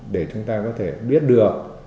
để chúng ta có thể biết được